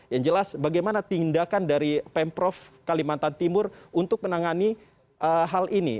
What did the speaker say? yang jelas bagaimana tindakan dari pemprov kalimantan timur untuk menangani hal ini